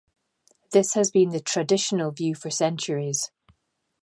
This has been the traditional view for centuries.